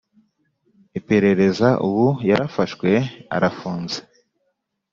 iperereza Ubu yarafashwe arafunze